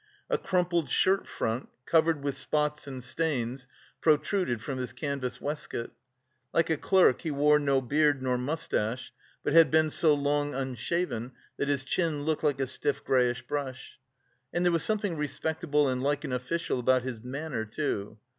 A crumpled shirt front, covered with spots and stains, protruded from his canvas waistcoat. Like a clerk, he wore no beard, nor moustache, but had been so long unshaven that his chin looked like a stiff greyish brush. And there was something respectable and like an official about his manner too.